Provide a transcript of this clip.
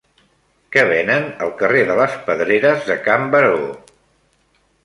Què venen al carrer de les Pedreres de Can Baró